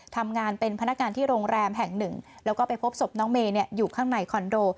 ทำงานเป็นพนักงานที่โรงแรมแห่งหนึ่งแล้วก็ไปพบศพน้องเมย์อยู่ข้างในคอนโด